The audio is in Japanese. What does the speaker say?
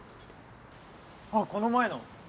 あっこの前の。